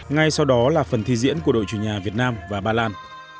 ngay sau đó là phần thi diễn của đội chủ nhà việt nam và ba lan